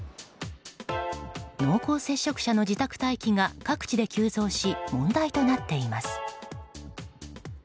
濃厚接触者の自宅待機が各地で急増し問題となっています。